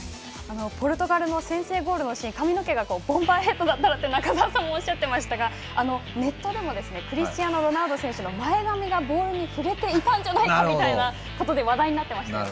ポルトガルの先制ゴールのシーン、髪の毛がボンバーヘッドだったらと中澤さんがおっしゃっていましたがネットでもクリスチアーノロナウド選手の前髪がボールに触れてたんじゃないかみたいなことで話題になっていましたが。